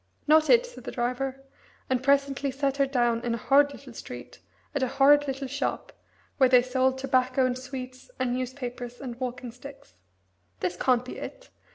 "Not it," said the driver, and presently set her down in a horrid little street, at a horrid little shop, where they sold tobacco and sweets and newspapers and walking sticks. "This can't be it!